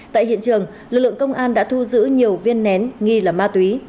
tại hiện trường lực lượng công an đã thu giữ nhiều viên nén nghi là ma túy